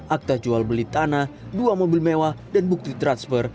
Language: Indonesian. akta jual beli tanah dua mobil mewah dan bukti transfer